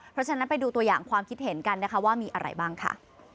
เพราะฉะนั้นไปดูตัวอย่างความคิดเห็นกันนะคะว่ามีอะไรบ้างค่ะ